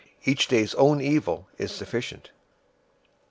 Each day's own evil is sufficient.